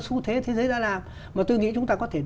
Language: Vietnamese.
xu thế thế giới đã làm mà tôi nghĩ chúng ta có thể